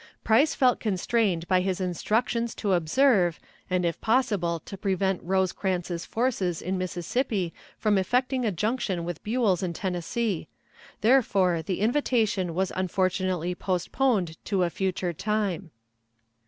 Price felt constrained by his instructions to observe and if possible to prevent Rosecrans's forces in Mississippi from effecting a junction with Buell's in Tennessee; therefore the invitation was unfortunately postponed to a future time.